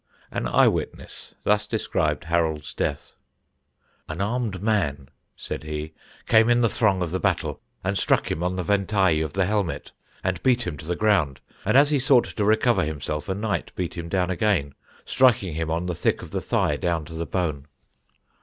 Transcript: An eye witness thus described Harold's death: "An armed man," said he, "came in the throng of the battle and struck him on the ventaille of the helmet and beat him to the ground; and as he sought to recover himself a knight beat him down again, striking him on the thick of the thigh down to the bone."